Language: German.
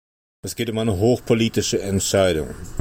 Es geht um eine hochpolitische Entscheidung.